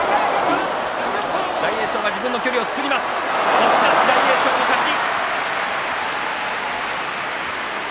押し出し大栄翔の勝ち。